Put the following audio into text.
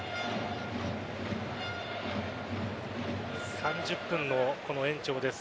３０分の延長です。